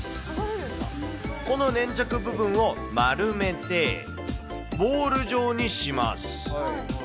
この粘着部分を丸めて、ボール状にします。